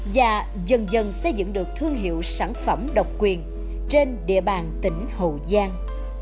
và dần dần xây dựng được thương hiệu sản phẩm độc quyền trên địa bàn tỉnh hậu giang